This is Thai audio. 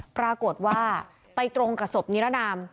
ปรากฏว่าไปตรงกับศพนิรนาม